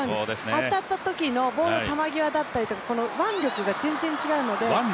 当たったときのボールの球際だったりとか、腕力が全然違うので。